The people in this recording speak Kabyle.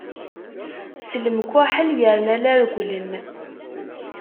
S lemkaḥel, yerna la regglen.